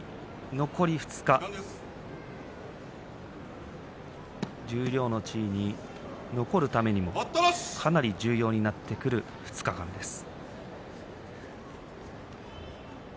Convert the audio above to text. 残り２日十両の地位に残るためにもかなり重要になってくる２日間です。